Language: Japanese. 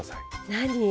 何？